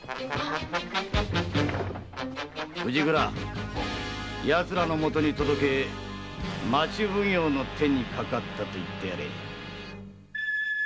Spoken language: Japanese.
藤倉奴らのもとに届け町奉行の手にかかったと言ってやれ。